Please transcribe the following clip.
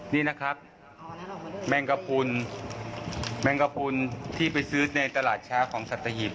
นี่นะครับแมงกระพุนแมงกระพุนที่ไปซื้อในตลาดช้าของสัตหิบ